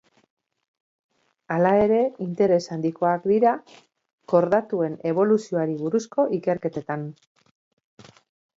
Hala ere, interes handikoak dira kordatuen eboluzioari buruzko ikerketetan.